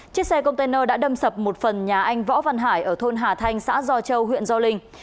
chiếc xe container đã đâm sập một phần nhà anh võ văn hải ở thôn hà thanh xã do châu huyện do linh